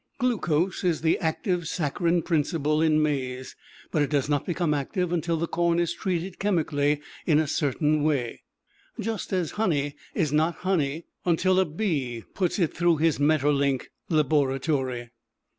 Glucose is the active saccharine principle in maize, but it does not become active until the corn is treated chemically in a certain way, just as honey is not honey until a bee puts it through his Maeterlinck laboratory.